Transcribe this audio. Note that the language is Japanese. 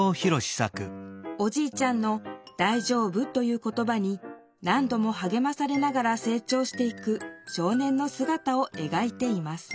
おじいちゃんの「だいじょうぶ」という言ばに何どもはげまされながら成長していく少年のすがたをえがいています